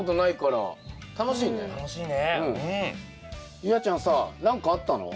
夕空ちゃんさ何かあったの？